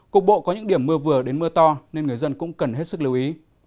cục bộ có những điểm mưa vừa đến mưa to nên người dân cũng cần hết sức lưu ý